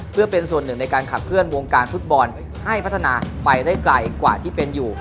เพื่อเป็นส่วนหนึ่งในการขับเคลื่อนวงการฟุตบอลให้พัฒนาไปได้ไกลกว่าที่เป็นอยู่